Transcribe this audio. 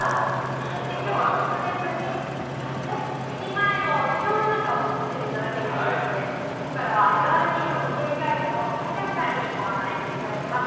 そして、きょうは特別に、発車式前の車両の中を見せていただけるということで、ここからはＬＲＴの運営会社の宮崎さんにご案内していただきます。